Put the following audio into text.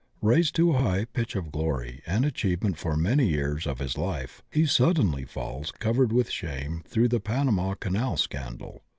Raised to a high pitch of glory and achievement for many years of Us life, he suddenly falls covered with shame through the Panama canal scandal.